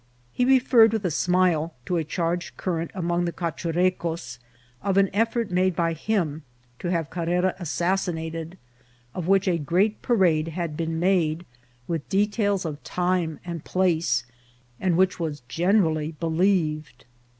He referred, with a smile, to a charge current among the Cachurecos of an effort made by him to have Car rera assassinated, of which a great parade had been made, with details of time and place, and which was generally believed.